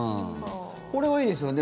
これはいいですよね。